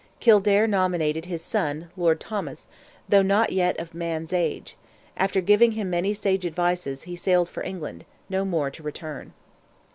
Kildare nominated his son, Lord Thomas, though not yet of man's age; after giving him many sage advices, he sailed for England, no more to return.